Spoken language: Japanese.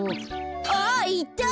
あっいた。